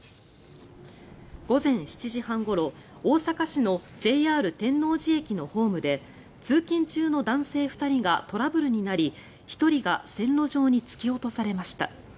午前７時半ごろ大阪市のＪＲ天王寺駅のホームで通勤中の男性２人がトラブルになり１人が線路上に突き落とされました。